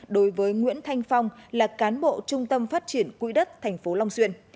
đối với nguyễn thanh phong là cán bộ trung tâm phát triển quỹ đất tp long xuyên